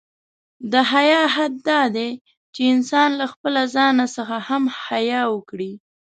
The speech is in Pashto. د حیا حد دا دی، چې انسان له خپله ځان څخه هم حیا وکړي.